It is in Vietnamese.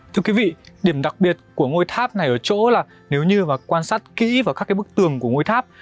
thưa quý vị điểm đặc biệt của ngôi tháp này ở chỗ là nếu như quan sát kỹ vào các cái bức tường của ngôi tháp